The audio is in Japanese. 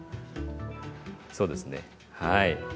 そうですねはい。